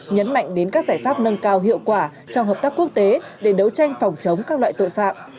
nhấn mạnh đến các giải pháp nâng cao hiệu quả trong hợp tác quốc tế để đấu tranh phòng chống các loại tội phạm